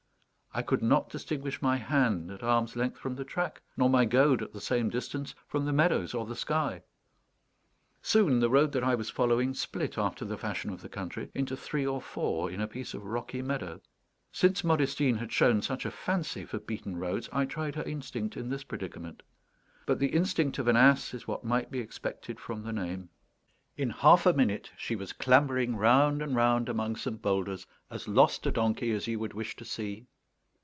I could not distinguish my hand at arm's length from the track, nor my goad, at the same distance, from the meadows or the sky. Soon the road that I was following split, after the fashion of the country, into three or four in a piece of rocky meadow. Since Modestine had shown such a fancy for beaten roads, I tried her instinct in this predicament. But the instinct of an ass is what might be expected from the name; in half a minute she was clambering round and round among some boulders, as lost a donkey as you would wish to see.